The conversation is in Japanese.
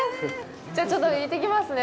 じゃあ、ちょっと行ってきますね。